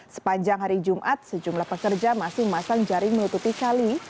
sepanjang hari jumat sejumlah pekerja masih memasang jaring menutupi kali